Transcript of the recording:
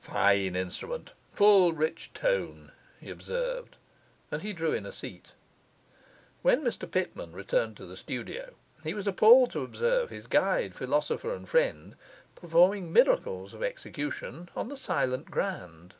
'Fine instrument full, rich tone,' he observed, and he drew in a seat. When Mr Pitman returned to the studio, he was appalled to observe his guide, philosopher, and friend performing miracles of execution on the silent grand.